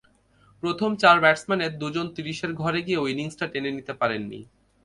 প্রথম চার ব্যাটসম্যানের দুজন ত্রিশের ঘরে গিয়েও ইনিংসটা টেনে নিতে পারেননি।